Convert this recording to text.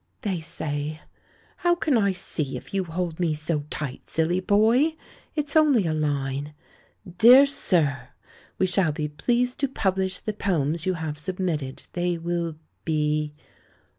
"They say How can I see, if you hold me so tight, silly boy? It's only a Hne. 'Dear Sir, we shall be pleased to publish the poems you have submitted. They will be